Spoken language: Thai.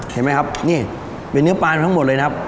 เห็นไหมครับนี่เป็นเนื้อปลามาทั้งหมดเลยนะครับ